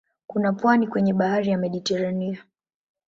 Kuna pwani kwenye bahari ya Mediteranea.